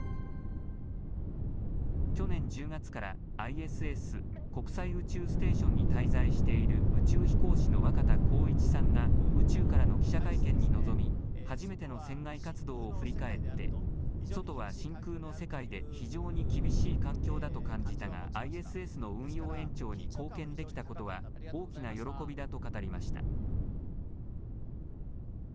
去年１０月からＩＳＳ・国際宇宙ステーションに滞在している宇宙飛行士の若田光一さんが、宇宙からの記者会見に臨み、初めての船外活動を振り返って、外は真空の世界で非常に厳しい環境だと感じたが、ＩＳＳの運用延長に貢献できたことは大きな喜びだと語りました。